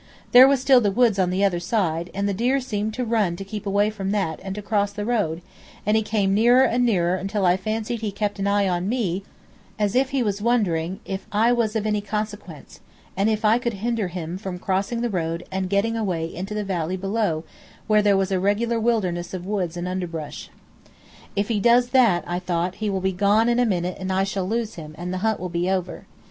There was still the woods on the other side, and the deer seemed to run to keep away from that and to cross the road, and he came nearer and nearer until I fancied he kept an eye on me as if he was wondering if I was of any consequence, and if I could hinder him from crossing the road and getting away into the valley below where there was a regular wilderness of woods and underbrush. If he does that, I thought, he will be gone in a minute and I shall lose him, and the hunt will be over.